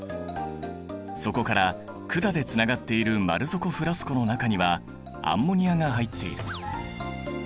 そこから管でつながっている丸底フラスコの中にはアンモニアが入っている。